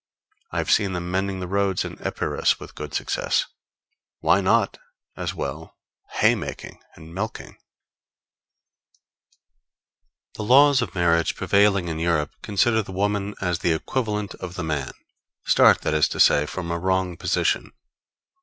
I have seen them mending the roads in Epirus with good success. Why not, as well as hay making and milking_? The laws of marriage prevailing in Europe consider the woman as the equivalent of the man start, that is to say, from a wrong position.